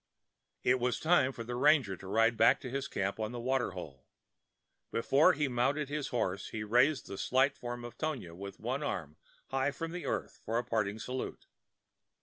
It was time for the ranger to ride back to his camp on the water hole. Before he mounted his horse he raised the slight form of Tonia with one arm high from the earth for a parting salute.